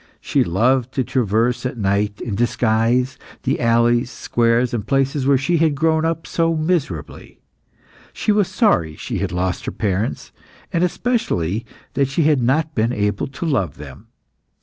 She loved to traverse at night, in disguise, the alleys, squares, and places where she had grown up so miserably. She was sorry she had lost her parents, and especially that she had not been able to love them.